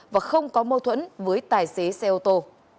và không có mâu thuẫn với tài xế xe ô tô